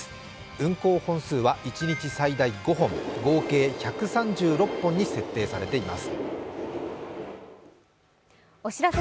運行本数は一日最大５本合計１３６本に設定されています。